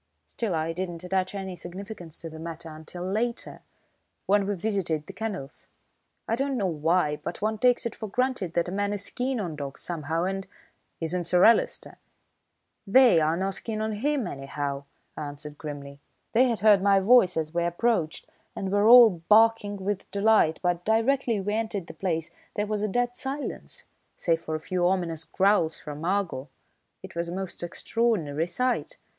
Still, I didn't attach any significance to the matter until later, when we visited the kennels. I don't know why, but one takes it for granted that a man is keen on dogs somehow and " "Isn't Sir Alister?" "They are not keen on him, anyhow," I answered grimly. "They had heard my voice as we approached and were all barking with delight, but directly we entered the place there was a dead silence, save for a few ominous growls from Argo. It was a most extraordinary sight.